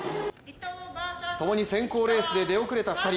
ともに選考レースで出遅れた２人。